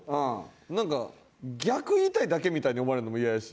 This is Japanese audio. なんか逆言いたいだけみたいに思われるのもイヤやし。